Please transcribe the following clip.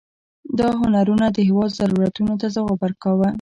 دا هنرونه د هېواد ضرورتونو ته ځواب ورکاوه.